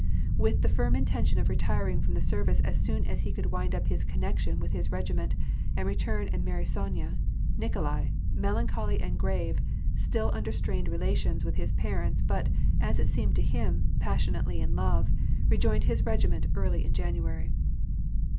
With the firm intention of retiring from the service as soon as he could wind up his connection with his regiment, and return and marry Sonya, Nikolai, melancholy and grave, still und^r strained relations with his parents, but, as it seemed to him, passionately in love, rejoined his regiment early in January.